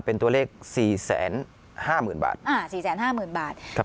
เป็นตัวเลขสี่แสนห้าหมื่นบาทอ่าสี่แสนห้าหมื่นบาทครับ